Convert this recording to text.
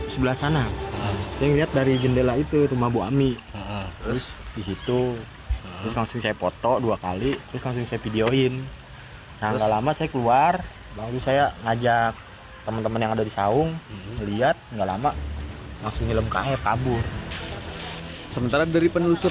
sementara dari penelusuran petugas